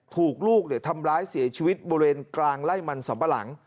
ถูกลูกทำร้ายเสียชีวิตบริเวณกลางไล่มันสัมปะหลัง